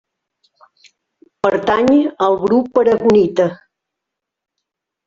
Pertany al grup aragonita.